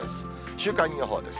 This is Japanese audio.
週間予報です。